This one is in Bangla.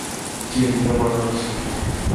চিন্তিত মনে হচ্ছে।